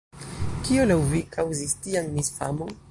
Kio laŭ vi kaŭzis tian misfamon?